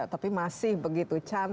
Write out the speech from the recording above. tapi masih begitu cantik